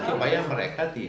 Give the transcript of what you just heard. kita kira kira mereka tidak